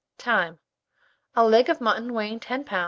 Time. A leg of mutton weighing 10 lbs.